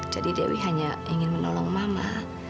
jadi dewi hanya ingin menolong mama